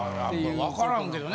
わからんけどね